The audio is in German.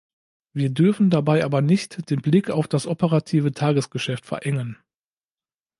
Wir dürfen dabei aber nicht den Blick auf das operative Tagesgeschäft verengen.